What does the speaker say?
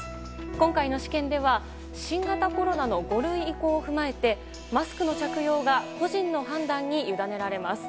今回の試験では新型コロナの５類移行を踏まえてマスクの着用が個人の判断に委ねられます。